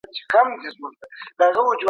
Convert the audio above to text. څوک یې د یو نظر کتو په ارمان وینه